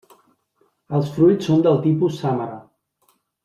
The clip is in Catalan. Els fruits són del tipus sàmara.